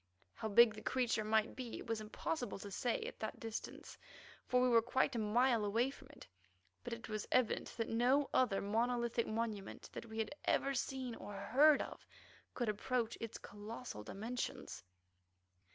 How big the creature might be it was impossible to say at that distance, for we were quite a mile away from it; but it was evident that no other monolithic monument that we had ever seen or heard of could approach its colossal dimensions.